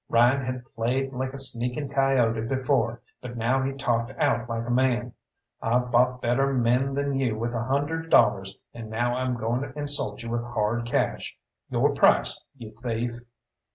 Ryan had played like a sneaking coyote before, but now he talked out like a man. "I've bought better men than you with a hundred dollars, and now I'm going to insult you with hard cash. Your price, you thief!"